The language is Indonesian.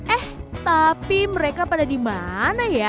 eh tapi mereka pada di mana ya